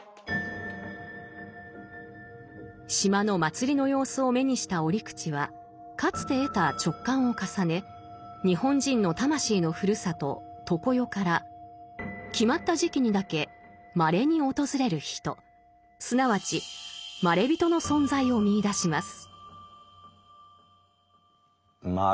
島の祭りの様子を目にした折口はかつて得た直観を重ね日本人の魂のふるさと「常世」から決まった時期にだけすなわち「まれびと」の存在を見いだします。